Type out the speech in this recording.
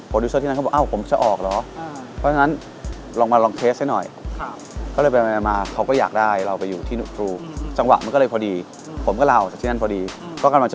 โปรดิสเซอร์ที่นั่นก็บอกว่าอ้าวผมจะออกหรอ